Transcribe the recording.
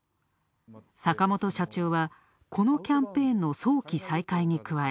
坂元社長はこのキャンペーンの早期再開に加え、